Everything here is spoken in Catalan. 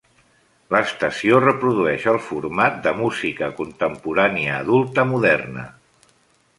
L"estació reprodueix el format de música contemporània adulta moderna.